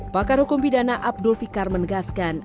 pakar hukum pidana abdul fikar menegaskan